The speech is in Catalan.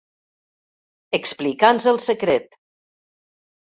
Explica'ns el secret.